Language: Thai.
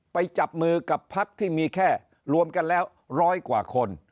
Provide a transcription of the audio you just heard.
จับมือกับพักที่มีแค่รวมกันแล้วร้อยกว่าคน